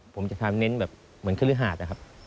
ผมจะใจเน้นแบบเหมือนเครื่องหาดนะครับ